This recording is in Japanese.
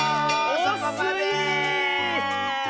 そこまで！